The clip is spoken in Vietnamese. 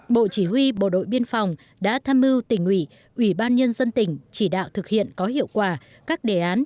bộ chỉ huy bộ đội biên phòng đã tham mưu tỉnh ủy ủy ban nhân dân tỉnh chỉ đạo thực hiện có hiệu quả các đề án